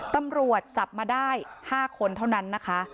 ตำรวจจับมาได้๕คนเท่านั้นนะคะ